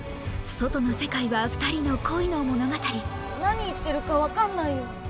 外の世界は２人の恋の物語何言ってるか分かんないよ。